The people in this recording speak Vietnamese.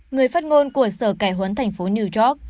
người phát ngôn của sở cải huấn thành phố new york